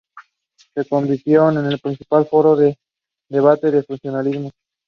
Elliott lives in East London with his wife and two children.